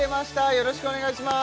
よろしくお願いします